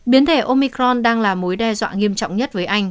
biến thể omicron đang là mối đe dọa nghiêm trọng nhất với anh